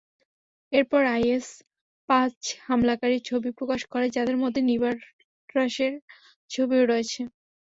এরপর আইএস পাঁচ হামলাকারীর ছবি প্রকাশ করে, যাঁদের মধ্যে নিবরাসের ছবিও রয়েছে।